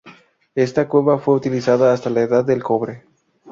Esta cueva fue utilizada hasta la edad del cobre.